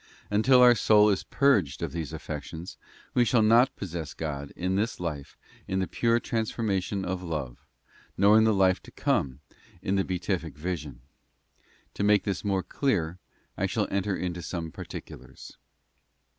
Until our soul is purged of these affections we shall not possess God in this life in the pure transformation of love, nor in the life to come in the beatific vision. To make this more clear I shall enter into some particulars.